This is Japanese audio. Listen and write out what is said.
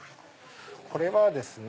これはですね